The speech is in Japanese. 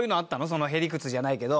その屁理屈じゃないけど。